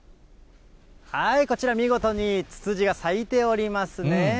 こちら、見事にツツジが咲いておりますね。